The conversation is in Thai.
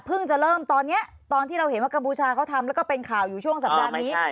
จะเริ่มตอนนี้ตอนที่เราเห็นว่ากัมพูชาเขาทำแล้วก็เป็นข่าวอยู่ช่วงสัปดาห์นี้